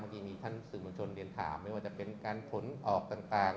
เมื่อกี้มีท่านสื่อมวลชนเรียนถามไม่ว่าจะเป็นการผลออกต่าง